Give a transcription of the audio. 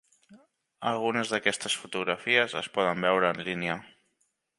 Algunes d'aquestes fotografies es poden veure en línia.